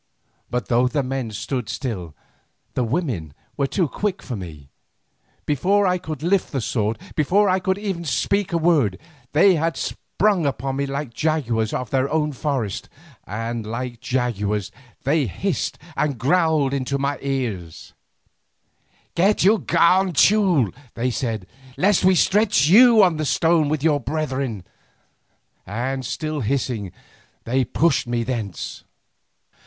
But though the men stood still the women were too quick for me. Before I could lift the sword, before I could even speak a word, they had sprung upon me like the jaguars of their own forests, and like jaguars they hissed and growled into my ear: "Get you gone, Teule," they said, "lest we stretch you on the stone with your brethren." And still hissing they pushed me thence.